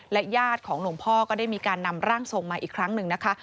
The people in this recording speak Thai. ญาติของหลวงพ่อก็ได้มีการนำร่างทรงมาอีกครั้งหนึ่งนะคะ